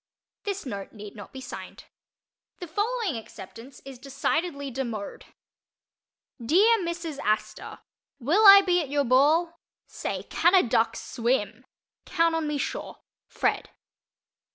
This note need not be signed. The following "acceptance" is decidedly demode: DEAR MRS. ASTOR: Will I be at your ball? Say, can a duck swim? Count on me sure. FRED.